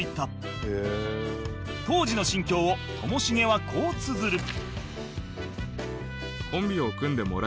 当時の心境をともしげはこうつづる